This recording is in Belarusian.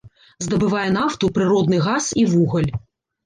Здабывае нафту, прыродны газ і вугаль.